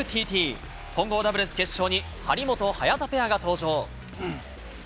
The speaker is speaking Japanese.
混合ダブルス決勝に張本・早田ペアが登場。